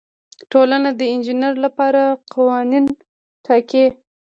ټولنه د انجینر لپاره قوانین ټاکي.